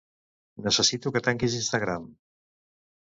Necessito que tanquis Instagram.